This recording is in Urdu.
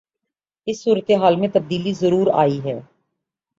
اس صورتحال میں تبدیلی ضرور آئی ہے۔